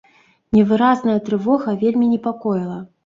Невыразная трывога вельмі непакоіла.